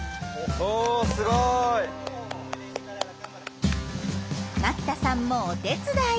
おすごい！牧田さんもお手伝い。